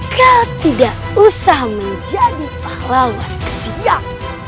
kau tidak usah menjadi pahlawan siap